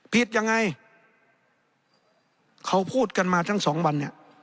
ผิดยังไงเขาพูดกันมาทั้งสองวันเนี่ย